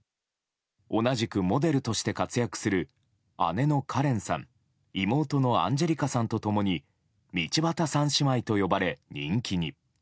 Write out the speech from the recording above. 同じくモデルとして活躍する姉のカレンさん妹のアンジェリカさんと共に道端三姉妹と呼ばれ人気に。